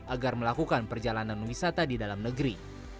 agar melakukan perjalanan wisata di dalam negeri